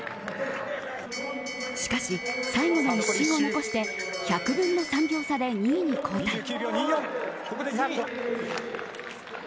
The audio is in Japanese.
しかし最後の１周を残して１００分の３秒差で２位に後退。